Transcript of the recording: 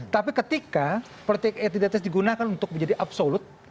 tapi ketika politik identitas digunakan untuk menjadi absolut